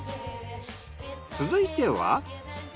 続いては。